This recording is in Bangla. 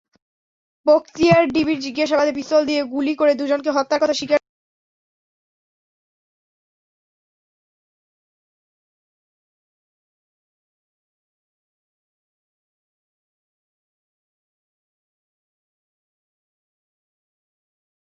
তার কথা বলবেন না।